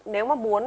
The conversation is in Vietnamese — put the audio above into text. nếu mà muốn